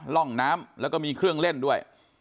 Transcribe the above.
ร่องน้ำแล้วก็มีเครื่องเล่นด้วย